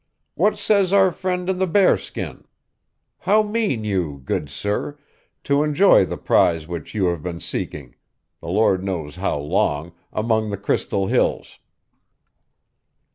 What says our friend in the bear skin? How mean you, good sir, to enjoy the prize which you have been seeking, the Lord knows how long, among the Crystal Hills?